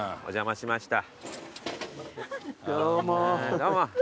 どうも。